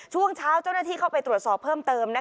ช่วงเช้าเจ้าหน้าที่เข้าไปตรวจสอบเพิ่มเติม